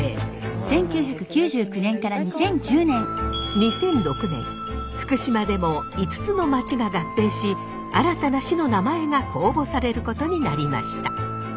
２００６年福島でも５つの町が合併し新たな市の名前が公募されることになりました。